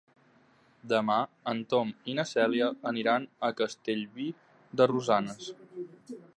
Demà en Tom i na Cèlia aniran a Castellví de Rosanes.